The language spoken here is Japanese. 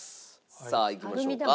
さあいきましょうか。